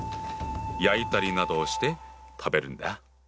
焼いたりなどをして食べるんだ。